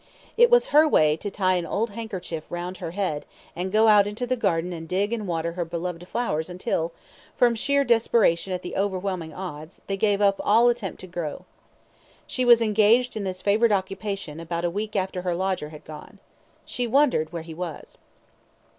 It was her way to tie an old handkerchief round her head and to go out into the garden and dig and water her beloved flowers until, from sheer desperation at the overwhelming odds, they gave up all attempt to grow. She was engaged in this favourite occupation about a week after her lodger had gone. She wondered where he was.